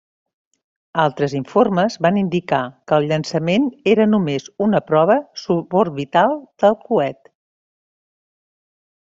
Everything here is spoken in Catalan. Altres informes van indicar que el llançament era només una prova suborbital del coet.